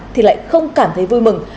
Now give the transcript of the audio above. thì lại không cảm thấy vui mừng